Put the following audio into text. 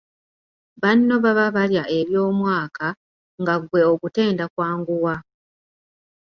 Banno baba balya eby’omwaka, nga ggwe ogutenda kwanguwa.